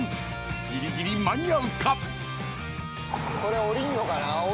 ［ギリギリ間に合うか？］